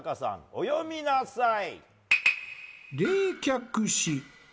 お詠みなさい！